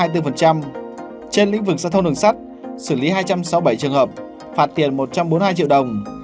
trên lĩnh vực giao thông đường sắt xử lý hai trăm sáu mươi bảy trường hợp phạt tiền một trăm bốn mươi hai triệu đồng